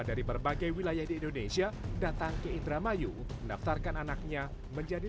dari berbagai wilayah di indonesia datang ke indramayu mendaftarkan anaknya menjadi